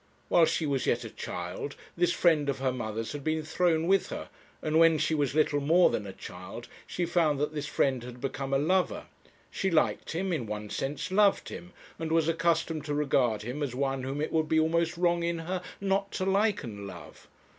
While she was yet a child, this friend of her mother's had been thrown with her, and when she was little more than a child, she found that this friend had become a lover. She liked him, in one sense loved him, and was accustomed to regard him as one whom it would be almost wrong in her not to like and love.